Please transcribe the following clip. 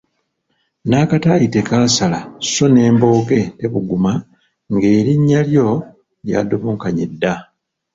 N'akataayi tekasala so n'embooge tebuguma ng'erinnya lyo ly'adobonkanye dda!